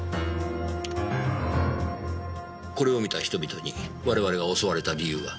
これを見た人々に我々が襲われた理由は？